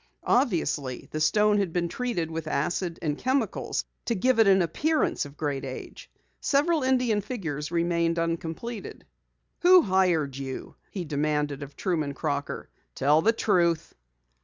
Obviously, the stone had been treated with acid and chemicals to give it an appearance of great age. Several Indian figures remained uncompleted. "Who hired you?" he demanded of Truman Crocker. "Tell the truth!"